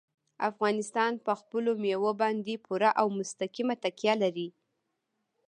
افغانستان په خپلو مېوو باندې پوره او مستقیمه تکیه لري.